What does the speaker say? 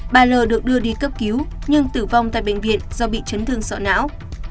bà l được đưa đi cấp cứu nhưng tử vong tại bệnh viện do bị chấn thương sọ não